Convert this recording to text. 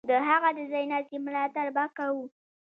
د هغه د ځای ناستي ملاتړ به کوو.